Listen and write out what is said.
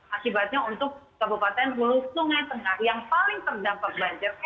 akibatnya untuk kabupaten hulu sungai tengah yang paling terdampak banjir